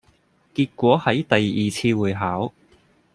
結果喺第二次會考